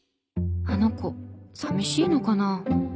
あの子寂しいのかな？